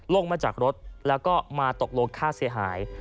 ลงมาจากรถแล้วก็มาตกลงค่าเสียหาย